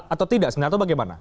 atau tidak sebenarnya atau bagaimana